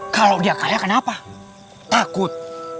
kalau dia kaya kenapa takut